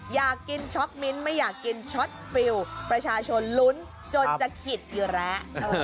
อยากกินช็อกมิ้นท์ไม่อยากกินช็อตฟิลประชาชนลุ้นจนจะขิดอยู่แล้ว